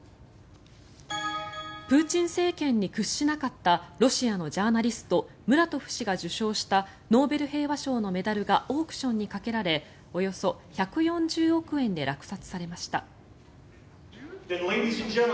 プーチン政権に屈しなかったロシアのジャーナリストムラトフ氏が受賞したノーベル平和賞のメダルがオークションにかけられおよそ１４０億円で落札されました。